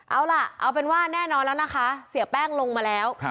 เอาล่ะเอาเป็นว่าแน่นอนแล้วนะคะเสียแป้งลงมาแล้ว